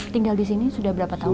tinggal di sini sudah berapa tahun